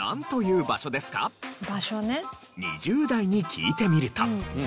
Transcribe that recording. ２０代に聞いてみると。